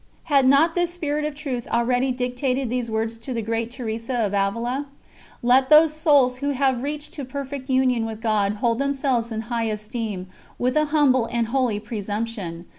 Had not this Spirit of Truth already dictated these words to the great Teresa of Avila: "Let those souls who have reached to perfect union with God hold themselves in high esteem, with a humble and holy presumption.